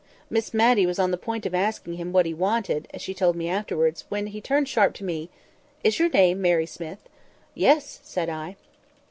Miss Matty was on the point of asking him what he wanted (as she told me afterwards), when he turned sharp to me: "Is your name Mary Smith?" "Yes!" said I.